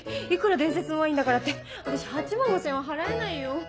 いくら伝説のワインだからって私８万５０００円は払えないよ。